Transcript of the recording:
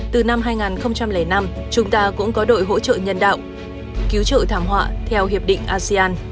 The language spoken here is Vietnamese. từ năm hai nghìn năm chúng ta cũng có đội hỗ trợ nhân đạo cứu trợ thảm họa theo hiệp định asean